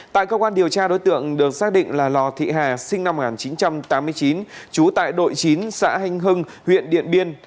tại cơ quan điều tra đối tượng được xác định là lò thị hà sinh năm một nghìn chín trăm tám mươi chín trú tại đội chín xã hanh hưng huyện điện biên